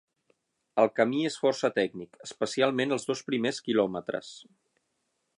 El camí és força tècnic, especialment els dos primers quilòmetres.